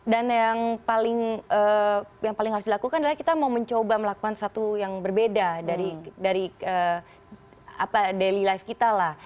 dan yang paling harus dilakukan adalah kita mau mencoba melakukan sesuatu yang berbeda dari daily life kita lah